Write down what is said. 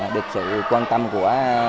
được sự quan tâm của